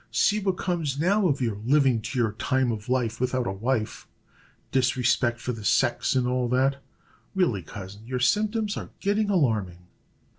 See what comes, now, of your living to your time of life without a wife disrespect for the sex, and all that. Really, cousin, your symptoms are getting alarming."